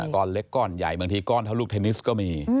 ก้อนเล็กก้อนใหญ่บางทีก้อนเท่าลูกเทนนิสก็มี